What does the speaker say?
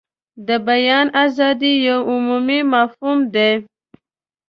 د بیان ازادي یو عمومي مفهوم دی.